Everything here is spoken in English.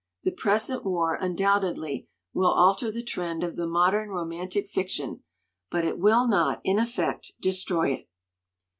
The present war undoubtedly will alter the trend of the mod ern romantic fiction, but it will not in effect destroy it."